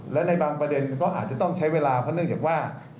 และในบางประเด็นก็อาจจะต้องใช้เวลาเพราะเนื่องจากว่า